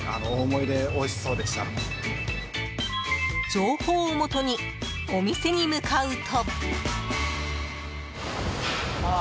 情報をもとにお店に向かうと。